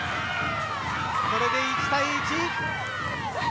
これで１対１。